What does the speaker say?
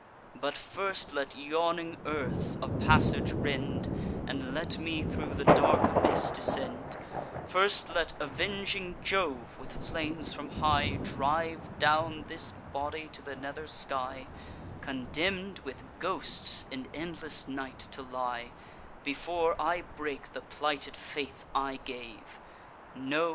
But first let yawning earth a passage rend, And let me thro' the dark abyss descend; First let avenging Jove, with flames from high, Drive down this body to the nether sky, Condemn'd with ghosts in endless night to lie, Before I break the plighted faith I gave! No!